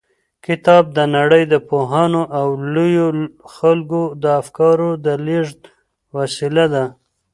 کتاب د نړۍ د پوهانو او لويو خلکو د افکارو د لېږد وسیله ده.